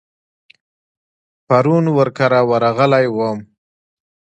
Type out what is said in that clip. پرون ور کره ورغلی وم.